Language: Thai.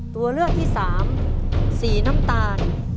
ตัวเลือกที่สามสีน้ำตาล